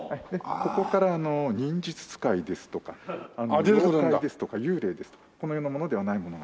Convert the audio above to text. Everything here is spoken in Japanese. ここから忍術使いですとか妖怪ですとか幽霊ですとかこの世のものではないものが。